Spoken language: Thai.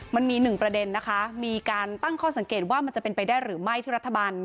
มันมีหนึ่งประเด็นนะคะมีการตั้งข้อสังเกตว่ามันจะเป็นไปได้หรือไม่ที่รัฐบาล